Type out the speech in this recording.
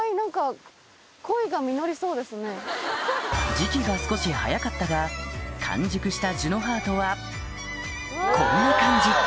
時期が少し早かったが完熟したジュノハートはこんな感じ